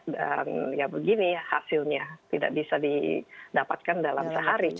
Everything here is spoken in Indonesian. dan ya begini ya hasilnya tidak bisa didapatkan dalam sehari